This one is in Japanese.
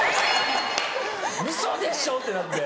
ウソでしょ？ってなって。